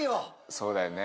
そうだよね。